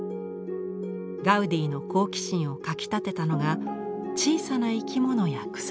ガウディの好奇心をかきたてたのが小さな生き物や草花でした。